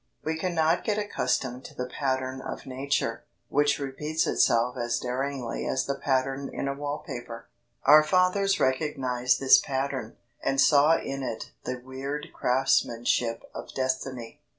We cannot get accustomed to the pattern of Nature, which repeats itself as daringly as the pattern in a wall paper. Our fathers recognised this pattern, and saw in it the weird craftsmanship of destiny.